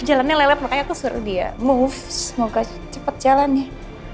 jalannya lelet makanya aku suruh dia move semoga cepet jalan ya